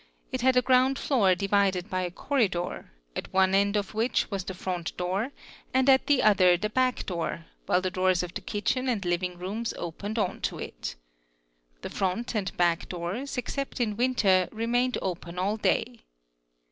It had a ground floor divided by a corridor, at one end of which was the front door and at the other the back door, while the doors of the kitchen and living rooms opened or to it. The front and back doors, except in winter, remained open all day.